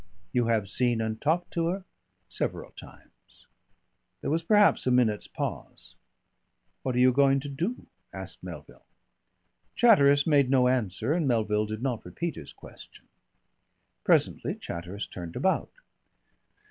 "You have seen and talked to her?" "Several times." There was perhaps a minute's pause. "What are you going to do?" asked Melville. Chatteris made no answer and Melville did not repeat his question. Presently Chatteris turned about.